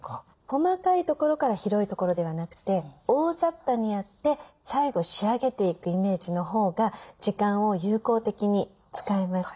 細かいところから広いところではなくて大ざっぱにやって最後仕上げていくイメージのほうが時間を有効的に使えます。